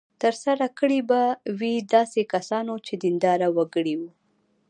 ترسره کړې به وي داسې کسانو چې دینداره وګړي وو.